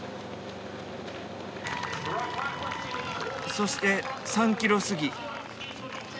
そして３ｋｍ過ぎ。